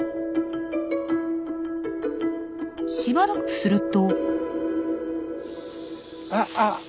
しばらくすると。